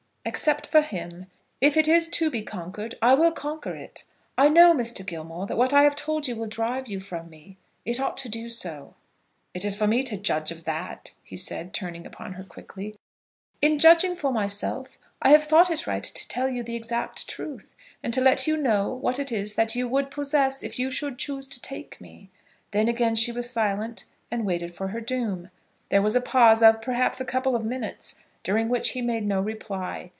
"Except for him. If it is to be conquered, I will conquer it. I know, Mr. Gilmore, that what I have told you will drive you from me. It ought to do so." "It is for me to judge of that," he said, turning upon her quickly. "In judging for myself I have thought it right to tell you the exact truth, and to let you know what it is that you would possess if you should choose to take me." Then again she was silent, and waited for her doom. There was a pause of, perhaps, a couple of minutes, during which he made no reply.